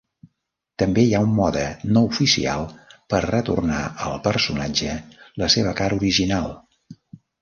També hi ha un mode no oficial per retornar al personatge la seva cara original.